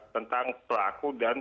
tentang pelaku dan